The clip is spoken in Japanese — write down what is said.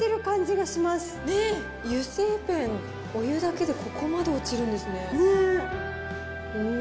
油性ペン、お湯だけでここまで落ちるんですね。